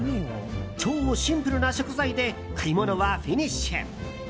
超シンプルな食材で買い物はフィニッシュ。